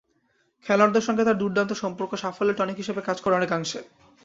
খেলোয়াড়দের সঙ্গে তাঁর দুর্দান্ত সম্পর্ক সাফল্যের টনিক হিসেবে কাজ করে অনেকাংশে।